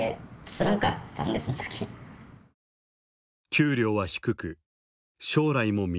給料は低く将来も見通せない。